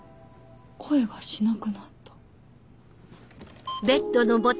声がしなくなった。あっ！